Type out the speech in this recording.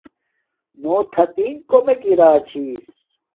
نو تھاتینگ کومک اراچھس